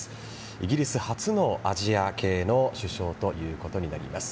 イギリス初のアジア系の首相ということになります。